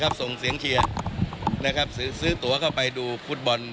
กรณีนี้ทางด้านของประธานกรกฎาได้ออกมาพูดแล้ว